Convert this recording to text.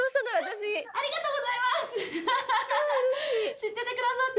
知っててくださって。